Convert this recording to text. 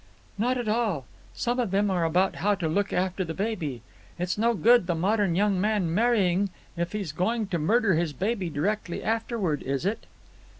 "Not at all. Some of them are about how to look after the baby. It's no good the modern young man marrying if he's going to murder his baby directly afterward, is it?"